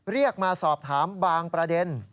เรียกมาสอบถามบางประเด็น